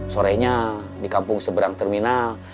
sorenya di kampung seberang terminal